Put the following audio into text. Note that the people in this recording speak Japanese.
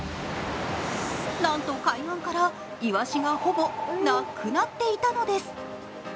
なんと海岸からいわしがほぼなくなっていたのです。